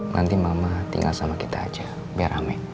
nanti mama tinggal sama kita aja biar rame